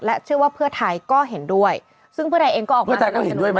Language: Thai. เชื่อว่าเพื่อไทยก็เห็นด้วยซึ่งเพื่อไทยเองก็ออกมาสนับสนุน